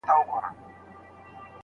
آیا کمپیوټر تر ماشین حساب هوښیار دی؟